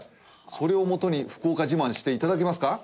それをもとに福岡自慢して頂けますか？